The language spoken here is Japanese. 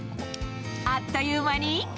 あっという間に。